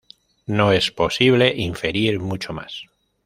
No es posible inferir mucho más.